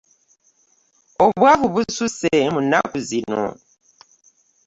Obwavu bususse mu nnaku zino.